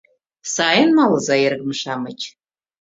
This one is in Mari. — Сайын малыза, эргым-шамыч!